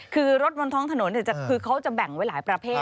คือรถบนท้องถนนคือเขาจะแบ่งไว้หลายประเภท